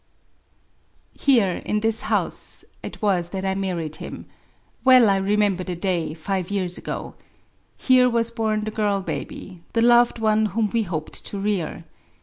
Here in this house it was that I married him ;— well I rf member the day — five years ago. Here was bom the girl^baby^ — the loved one whom we hoped to rear.